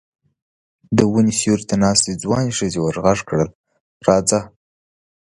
د وني سيوري ته ناستې ځوانې ښځې ور غږ کړل: راځه!